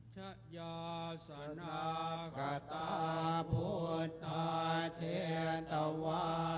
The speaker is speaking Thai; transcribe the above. ชะยาสนากตาพุทธาเชตวา